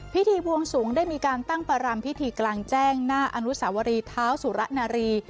พิธีบวงสวงได้มีการตั้งประรำพิธีกลางแจ้งหน้าอนุสาวรีเท้าสุระนารี